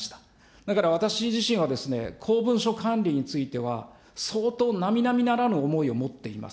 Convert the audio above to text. だから、私自身は、公文書管理については、相当、なみなみならぬ思いを持っています。